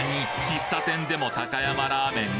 喫茶店でも高山ラーメン？